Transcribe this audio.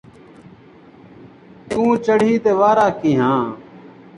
توی چڑھی تے وارا کیہاں